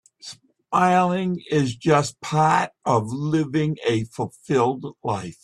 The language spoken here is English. Smiling is just part of living a fulfilled life.